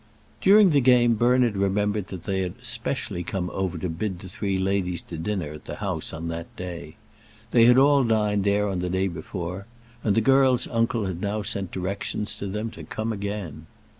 During the game Bernard remembered that they had especially come over to bid the three ladies to dinner at the house on that day. They had all dined there on the day before, and the girls' uncle had now sent directions to them to come again.